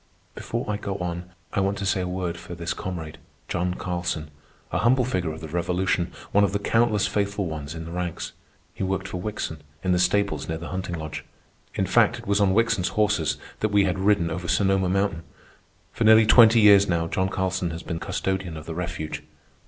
Before I go on I want to say a word for this comrade, John Carlson, a humble figure of the Revolution, one of the countless faithful ones in the ranks. He worked for Wickson, in the stables near the hunting lodge. In fact, it was on Wickson's horses that we had ridden over Sonoma Mountain. For nearly twenty years now John Carlson has been custodian of the refuge.